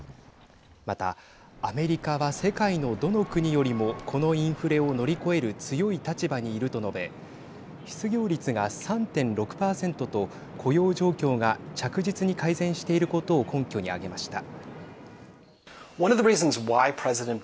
また、アメリカは世界のどの国よりもこのインフレを乗り越える強い立場にいると述べ失業率が３．６％と雇用状況が着実に改善していることを根拠に挙げました。